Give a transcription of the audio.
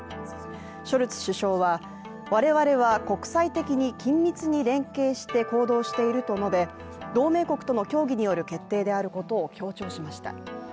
ショルツ首相は、我々は国際的に緊密に連携して行動していると述べ、同盟国との協議による決定であることを強調しました。